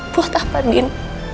buat apa din